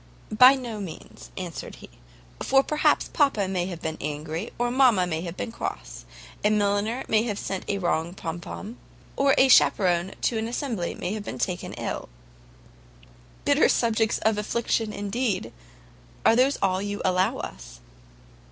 "By no means," answered he, "for perhaps papa may have been angry, or mama may have been cross; a milliner may have sent a wrong pompoon, or a chaperon to an assembly may have been taken ill " "Bitter subjects of affliction, indeed! And are these all you allow us?"